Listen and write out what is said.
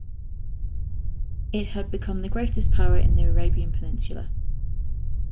It had become the greatest power in the Arabian peninsula.